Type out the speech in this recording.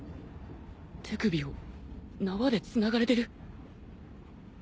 手首を縄でつながれてる